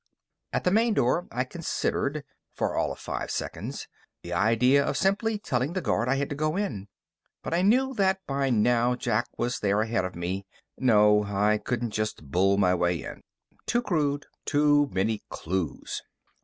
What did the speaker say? At the main door, I considered for all of five seconds the idea of simply telling the guard I had to go in. But I knew that, by now, Jack was there ahead of me. No. I couldn't just bull my way in. Too crude. Too many clues.